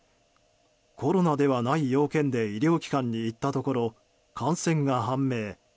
コロナではない用件で医療機関に行ったところ感染が判明。